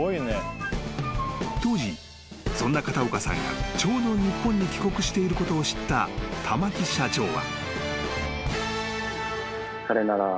［当時そんな片岡さんがちょうど日本に帰国していることを知った玉城社長は］